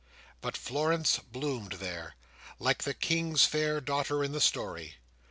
But Florence bloomed there, like the king's fair daughter in the story.